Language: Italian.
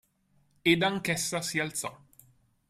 Ed anch'essa si alzò.